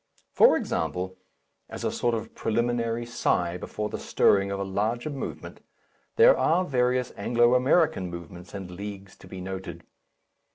For example, as a sort of preliminary sigh before the stirring of a larger movement, there are various Anglo American movements and leagues to be noted.